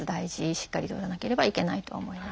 しっかりとらなければいけないと思います。